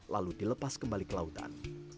lalu dilepas kembali ke lautan